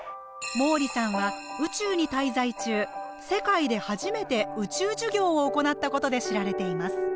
毛利さんは宇宙に滞在中世界で初めて「宇宙授業」を行ったことで知られています。